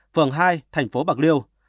phường hai thành phố bạc liêu